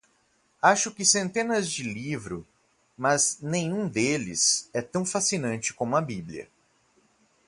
Acho que centenas de livro, mas nenhum deles é tão fascinante como a bíblia.